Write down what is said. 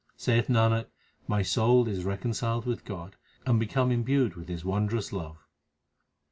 Saith Nanak, my soul is reconciled with God, and become imbued with His wondrous love.